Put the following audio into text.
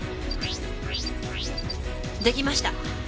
出来ました。